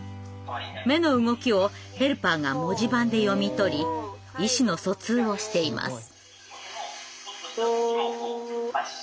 目の動きをヘルパーが文字盤で読み取り意思の疎通をしています。